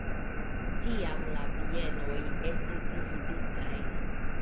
Tiam la bienoj estis dividitaj.